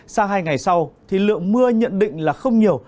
sang hai ngày sau thì lượng mưa nhận định là không nhiều